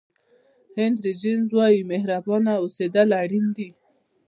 هینري جمیز وایي مهربانه اوسېدل اړین دي.